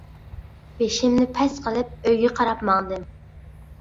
بېشىمنى پەس قىلىپ ئۆيگە قاراپ ماڭدىم.